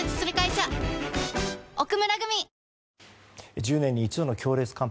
１０年に一度の強烈寒波